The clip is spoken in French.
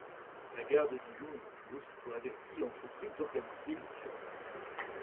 La gare de Dijon en fut aussitôt avertie et entreprit d'organiser les secours.